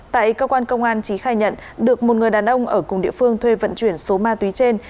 tại cơ quan công an trí khai nhận được một người đàn ông ở cùng địa phương thuê vận chuyển số ma túy trên